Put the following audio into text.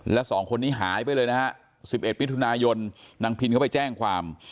แล้วสองคนนี้หายไปเลยนะฮะ๑๑มิถุนายนนางพินเขาไปแจ้งความ